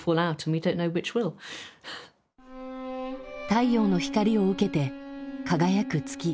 太陽の光を受けて輝く月。